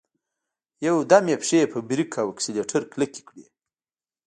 يودم يې پښې په بريک او اکسلېټر کلکې کړې.